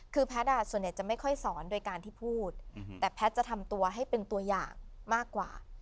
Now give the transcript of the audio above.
คือแพทย์ส่วนใหญ่จะไม่ค่อยสอนโดยการที่พูดแต่แพทย์จะทำตัวให้เป็นตัวอย่างมากกว่า